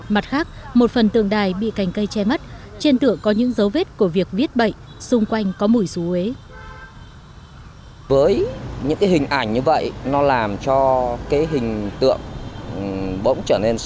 mặt khác một phần tượng đài bị cành cây che mất trên tượng có những dấu vết của việc viết bậy xung quanh có mùi rú ế